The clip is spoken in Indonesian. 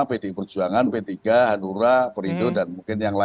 pdi perjuangan p tiga hanura perindo dan mungkin yang lain